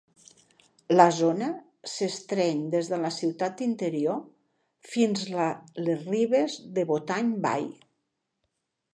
La zona s'estreny des de la ciutat interior fins la les ribes de Botany Bay.